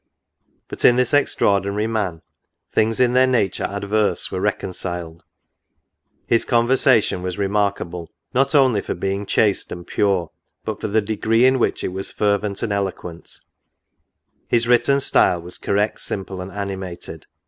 But, in this extraordinary man, things in their na ture adverse were reconciled ; his conversation was remark able, not only for being chaste and pure, but for the degree in which it was fervent and eloquent ; his written style was correct, simple, and animated.